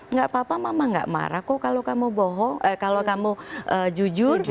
nggak apa apa mama nggak marah kok kalau kamu jujur